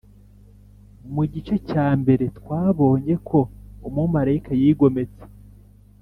Mu Gice cyambere twabonye ko umumarayika yigometse